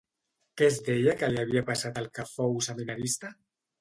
Què es deia que li havia passat al que fou seminarista?